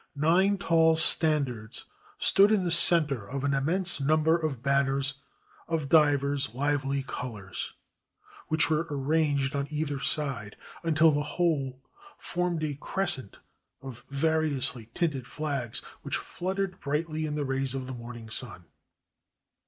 Nine tall standards stood in the center of an immense number of banners of divers lively colors, which were arranged on either side, until the whole formed a crescent of variously tinted flags, which fluttered brightly in the rays of the morning sun.